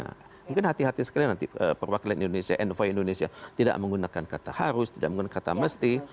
mungkin hati hati sekali nanti perwakilan indonesia envoy indonesia tidak menggunakan kata harus tidak menggunakan kata mesti